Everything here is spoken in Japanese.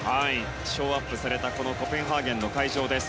ショーアップされたコペンハーゲンの会場です。